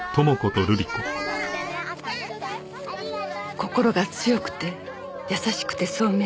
心が強くて優しくて聡明で。